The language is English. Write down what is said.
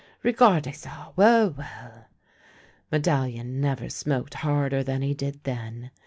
" Regardca ca — well, well !" Medallion never smoked harder than he did then.